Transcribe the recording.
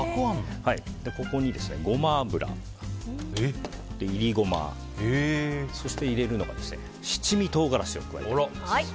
ここにゴマ油、いりゴマそして、入れるのが七味唐辛子です。